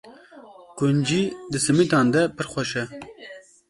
Kuncî di simîtan de pir xweş e.